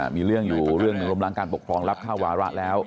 มีเรื่องอยู่เรื่องหนึ่งล้มล้างการปกครองรับเข้าวาระแล้ว